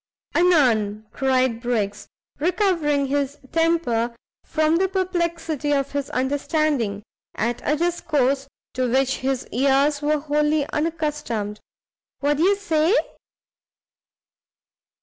"Anan!" cried Briggs, recovering his temper from the perplexity of his understanding, at a discourse to which his ears were wholly unaccustomed, "what d'ye say?"